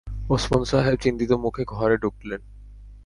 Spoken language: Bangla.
ওসমান সাহেব চিন্তিত মুখে ঘরে ঢুকলেন।